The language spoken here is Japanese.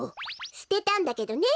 すてたんだけどね！